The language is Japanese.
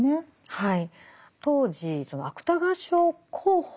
はい。